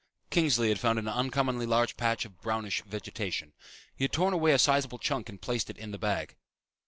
Kingsley had found an uncommonly large patch of brownish vegetation. He had torn away a sizeable chunk and placed it in the bag.